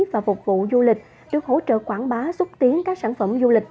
và phục vụ du lịch được hỗ trợ quảng bá xúc tiến các sản phẩm du lịch